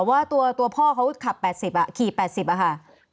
ว่าตัวพ่อเขาขับ๘๐ขี่๘๐อะค่ะ